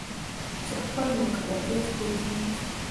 چې خپل مکلفیت پیژني.